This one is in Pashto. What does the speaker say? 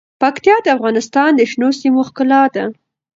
پکتیکا د افغانستان د شنو سیمو ښکلا ده.